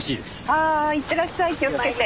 はいいってらっしゃい気をつけて。